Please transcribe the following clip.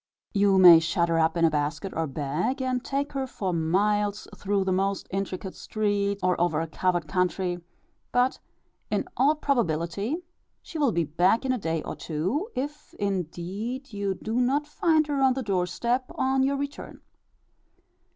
You may shut her up in a basket or bag and take her for miles through the most intricate streets, or over a covered country; but in all probability she will be back in a day or two, if indeed you do not find her on the door step on your return.